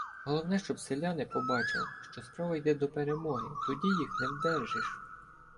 Головне, щоб селяни побачили, що справа йде до перемоги, тоді їх не вдержиш.